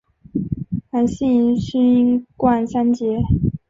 韩信勋冠三杰。